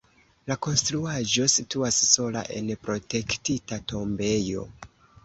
La konstruaĵo situas sola en protektita tombejo.